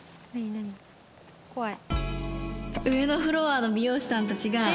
怖い。